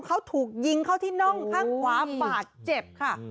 เขาถูกยิงเข้าที่น่องข้างขวาบาดเจ็บค่ะ